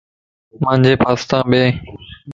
مانجي پاستان ٻي